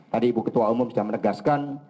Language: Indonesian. tadi ibu ketua umum sudah menegaskan